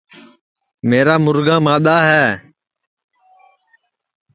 میرا مُرگا مادؔا ہے